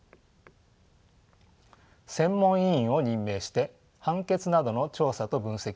専門委員を任命して判決などの調査と分析を行うことにしたのです。